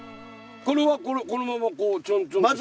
これはこのままこうちょんちょんって？